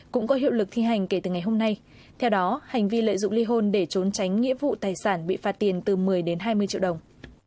đây là một lực thi hành kể từ ngày hôm nay theo đó hành vi lợi dụng ly hôn để trốn tránh nghĩa vụ tài sản bị phạt tiền từ một mươi hai mươi triệu đồng